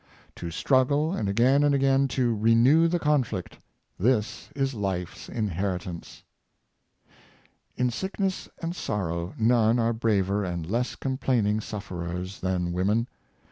To struggle, and again and again to renew the conflict — this is life's inheritance." In sickness and sorrow none are braver and less com plaining suflferers than women.